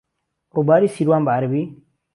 رووباری سیروان بەعەرەبی